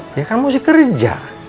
dia kan mesti kerja